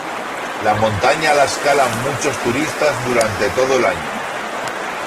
La montaña la escalan muchos turistas durante todo el año.